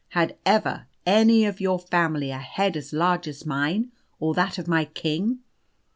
Had ever any of your family a head as large as mine, or that of my king?